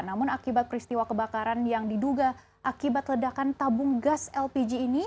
namun akibat peristiwa kebakaran yang diduga akibat ledakan tabung gas lpg ini